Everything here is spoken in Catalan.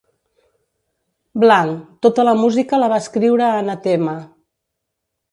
Blanc, tota la música la va escriure Anathema.